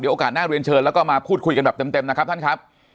โอกาสน่าเรียนเชิญแล้วก็มาพูดคุยกันแบบเต็มนะครับท่านครับ